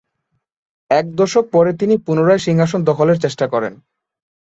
এক দশক পরে তিনি পুনরায় সিংহাসন দখলের চেষ্টা করেন।